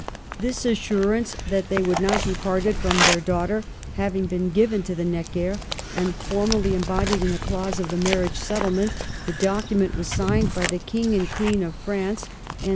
This assurance that they would not be parted from their daughter having been given to the Neckers, and formally embodied in a clause of the marriage settlement, the document was signed by the King and Queen of France, and Digitized by VjOOQIC 32 MADAMJE DE STA&L.